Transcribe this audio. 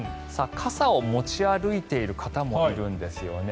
傘を持ち歩いている方もいるんですよね。